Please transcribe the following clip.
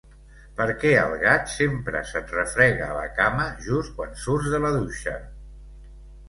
Per què el gat sempre se't refrega a la cama just quan surts de la dutxa?